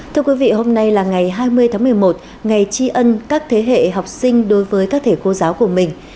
thưa quý vị hôm nay là ngày hai mươi tháng một mươi một ngày tri ân các thế hệ học sinh đối với các thể cô giáo của mình